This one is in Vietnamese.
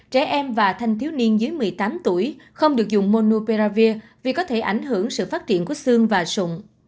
trẻ em và thanh thiếu niên dưới một mươi tám tuổi không được dùng monopearavir vì có thể ảnh hưởng sự phát triển của xương và sụng